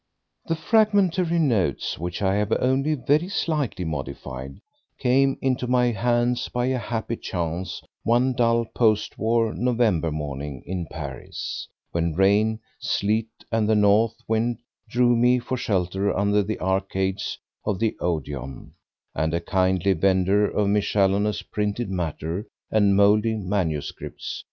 The fragmentary notes, which I have only very slightly modified, came into my hands by a happy chance one dull post war November morning in Paris, when rain, sleet and the north wind drove me for shelter under the arcades of the Odéon, and a kindly vendor of miscellaneous printed matter and mouldy MSS.